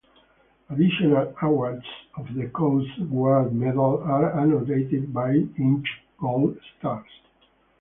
Additional awards of the Coast Guard Medal are annotated by inch gold stars.